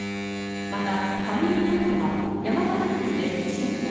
またファミリーマートは山形県で１店舗